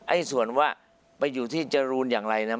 ส่วนว่าไปอยู่ที่จรูนอย่างไรนะ